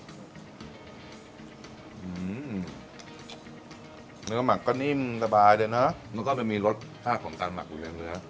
อืมเนื้อหมักก็นิ่มสบายเลยนะมันก็จะมีรสชาติของการหมักอยู่ในเนื้อ